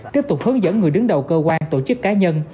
tiếp tục hướng dẫn người đứng đầu cơ quan tổ chức cá nhân